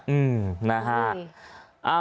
อืมนะฮะ